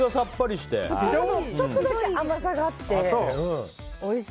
ちょっとだけ甘さがあっておいしい。